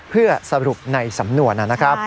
เพื่อสรุปในสำนวนนะครับ